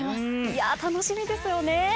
いやぁ楽しみですよね。